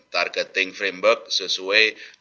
targeting framework sesuai